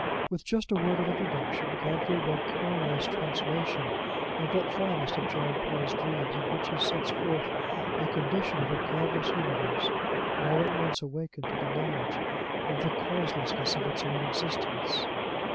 With just a word of introduction, Godfrey read Carlyle's translation of that finest of Jean Paul's dreams in which he sets forth the condition of a godless universe all at once awakened to the knowledge of the causelessness of its own existence.